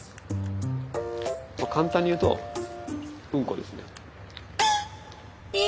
簡単に言うとうんこですね。